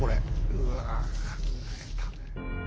うわ。